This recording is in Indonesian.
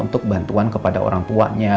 untuk bantuan kepada orang tuanya